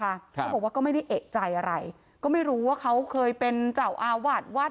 เขาบอกว่าก็ไม่ได้เอกใจอะไรก็ไม่รู้ว่าเขาเคยเป็นเจ้าอาวาสวัด